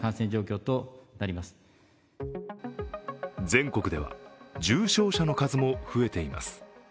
全国では重症者の数も増えています。